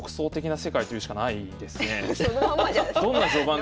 そのままじゃないすか。